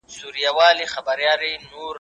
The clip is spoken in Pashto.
د طبیعت ستایونکي شاعران د ښکلاګانو توصیف کوي.